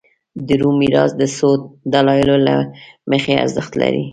د روم میراث د څو دلایلو له مخې ارزښت لري